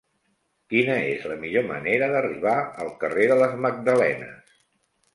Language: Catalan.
Quina és la millor manera d'arribar al carrer de les Magdalenes?